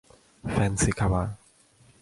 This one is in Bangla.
ফ্যান্সি খাবার।